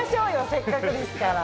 せっかくですから。